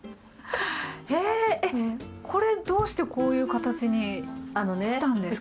へええっこれどうしてこういう形にしたんですか？